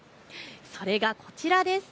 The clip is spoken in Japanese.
それが、こちらです。